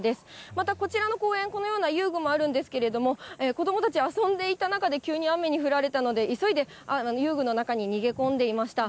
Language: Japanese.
またこちらの公園、このような遊具もあるんですけれども、子どもたち、遊んでいた中で急に雨に降られたので、急いで遊具の中に逃げ込んでいました。